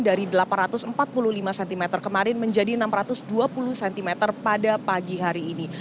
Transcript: dari delapan ratus empat puluh lima cm kemarin menjadi enam ratus dua puluh cm pada pagi hari ini